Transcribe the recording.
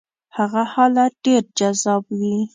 هغه حالت ډېر جذاب وي.